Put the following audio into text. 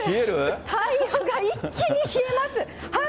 体温が一気に冷えます。